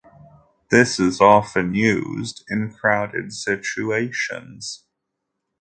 This is often used in crowded situations.